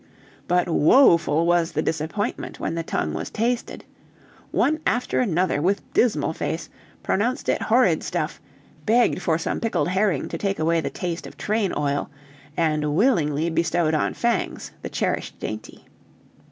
But woeful was the disappointment when the tongue was tasted! One after another, with dismal face, pronounced it "horrid stuff," begged for some pickled herring to take away the taste of train oil, and willingly bestowed on Fangs the cherished dainty.